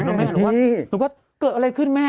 หมายถึงว่าเกิดอะไรขึ้นแม่